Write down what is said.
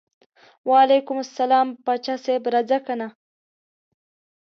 وعلیکم السلام پاچا صاحب راځه کنه.